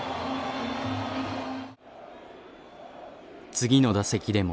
次の打席でも。